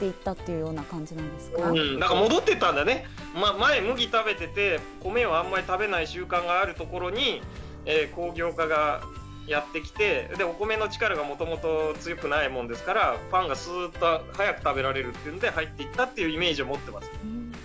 前麦食べてて米をあんまり食べない習慣があるところに工業化がやって来てでお米の力がもともと強くないもんですからパンがスッと早く食べられるっていうんで入っていったっていうイメージを持ってますね。